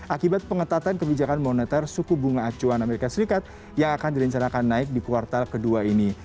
akibat pengetatan kebijakan moneter suku bunga acuan amerika serikat yang akan direncanakan naik di kuartal kedua ini